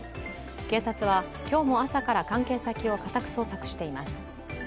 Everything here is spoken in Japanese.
警察は今日も朝から関係先を家宅捜索しています。